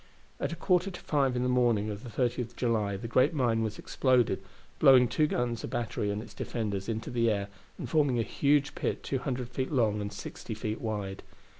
At a quarter to five in the morning of the 30th of July the great mine was exploded, blowing two guns, a battery, and its defenders into the air, and forming a huge pit two hundred feet long and sixty feet wide.